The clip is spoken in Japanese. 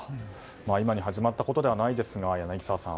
今に始まったことではないですが柳澤さん